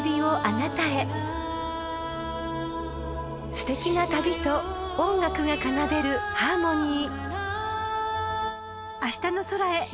［すてきな旅と音楽が奏でるハーモニー］